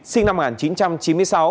sinh năm một nghìn chín trăm chín mươi sáu